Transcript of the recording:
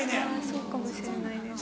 そうかもしれないです。